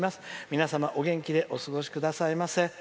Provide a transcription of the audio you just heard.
皆様、お元気でお過ごしくださいませ」。